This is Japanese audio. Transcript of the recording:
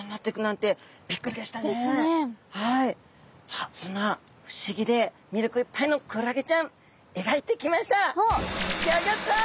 さあそんな不思議でみりょくいっぱいのクラゲちゃんえがいてきました！